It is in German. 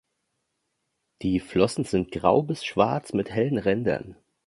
Die Flossen sind grau bis schwarz mit hellen Rändern.